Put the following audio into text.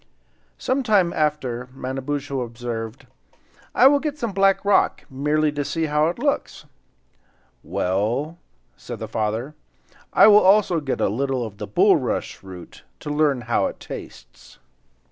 Some time after Manabozho observed: "I will get some of the black rock, merely to see how it looks." "Well," said the father, "I will also get a little of the bulrush root, to learn how it tastes."